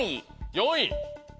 ４位。